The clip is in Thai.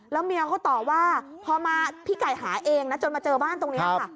แล้วเมียเขาตอบว่าพอมาพี่ไก่หาเองนะจนมาเจอบ้านตรงนี้ค่ะ